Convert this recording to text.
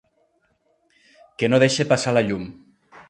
Que no deixa passar la llum.